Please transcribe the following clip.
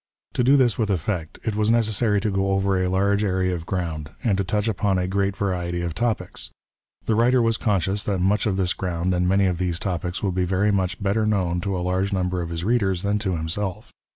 To do this with effect, it was necessary to go over a large area of ground, and to touch upon a great variety of topics. The writer was conscious that much of this ground and many of these topics would be very much better known to a large number of Ins readers than to himself.